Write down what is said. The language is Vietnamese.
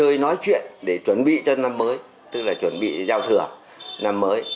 lời nói chuyện để chuẩn bị cho năm mới tức là chuẩn bị giao thừa năm mới